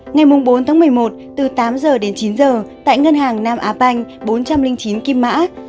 ngày bốn một mươi một từ tám h đến chín h tại ngân hàng nam á banh bốn trăm linh chín kim mã